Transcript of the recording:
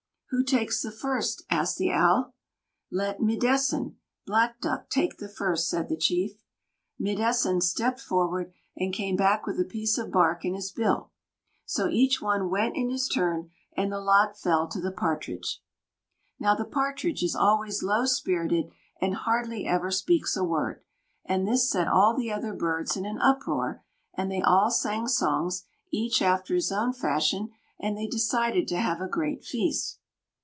"Who takes the first?" asked the Owl. "Let 'Mid dessen' [Black Duck] take the first," said the chief. Mid dessen stepped forward, and came back with a piece of bark in his bill. So each one went in his turn, and the lot fell to the Partridge. Now the Partridge is always low spirited and hardly ever speaks a word; and this set all the other birds in an uproar, and they all sang songs, each after his own fashion, and they decided to have a great feast.